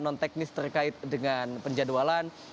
non teknis terkait dengan penjadwalan